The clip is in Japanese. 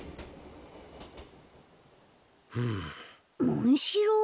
モンシロー？